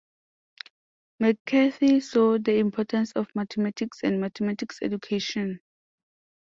McCarthy saw the importance of mathematics and mathematics education.